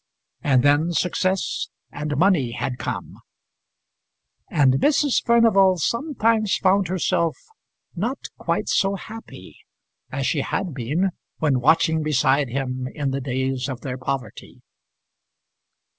And then success and money had come, and Mrs. Furnival sometimes found herself not quite so happy as she had been when watching beside him in the days of their poverty.